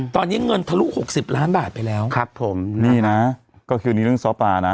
ตอนนี้เงินทะลุหกสิบล้านบาทไปแล้วครับผมนี่นะก็คือนี่เรื่องซ้อปลานะ